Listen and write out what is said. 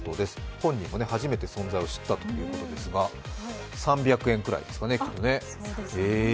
本人も初めて存在を知ったということですが、３００円くらいですかね、きっとね。